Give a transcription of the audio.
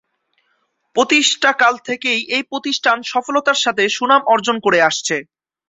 প্রতিষ্ঠাকাল থেকেই এ প্রতিষ্ঠান সফলতার সাথে সুনাম অর্জন করে আসছে।